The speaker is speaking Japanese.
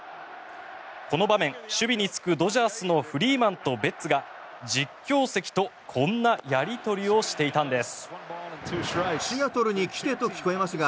この場面、守備に就くドジャースのフリーマンとベッツが実況席とこんなやり取りをしていたんです。